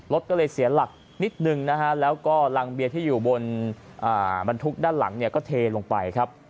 รถก็เลยเสียหลักนิดนึงนะฮะแล้วก็รังเบียร์ที่อยู่บนบรรทุกด้านหลังเนี่ยก็เทลงไปครับ